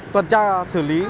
tuần tra xử lý